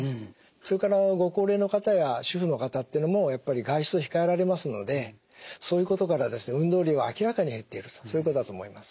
それからご高齢の方や主婦の方っていうのもやっぱり外出を控えられますのでそういうことから運動量は明らかに減っているとそういうことだと思います。